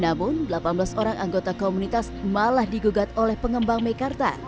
namun delapan belas orang anggota komunitas malah digugat oleh pengembang mekarta